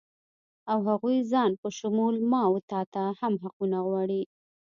او هغوی د ځان په شمول ما و تاته هم حقونه غواړي